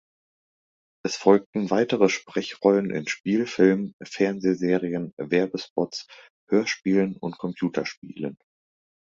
Es folgten weitere Sprechrollen in Spielfilmen, Fernsehserien, Werbespots, Hörspielen und Computerspielen.